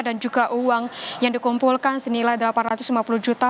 dan juga uang yang dikumpulkan senilai delapan ratus lima puluh juta